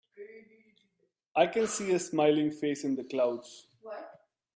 I can see a smiling face in the clouds.